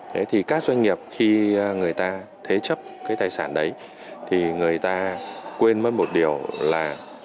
thế thì các doanh nghiệp khi người ta thế chấp cái tài sản đấy thì người ta quên với một điều là